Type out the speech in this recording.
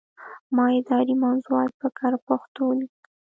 ما اداري موضوعات په کره پښتو ولیکل.